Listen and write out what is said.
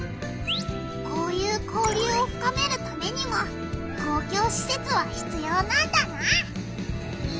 こういう交流をふかめるためにも公共しせつはひつようなんだな。